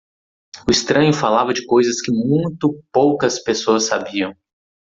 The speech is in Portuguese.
O estranho falava de coisas que muito poucas pessoas sabiam.